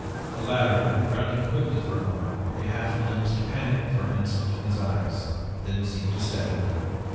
The latter looked round him quickly for a moment, a half glimpsed panic for an instant in his eyes, then seemed to steady.